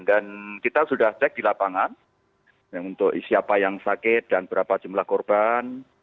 dan kita sudah cek di lapangan untuk siapa yang sakit dan berapa jumlah korban